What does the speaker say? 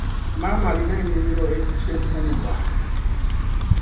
Maama alina ennimiro e Kyebbumba.